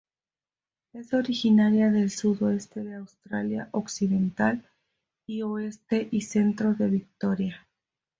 Es originaria del sudeste de Australia Occidental y oeste y centro de Victoria.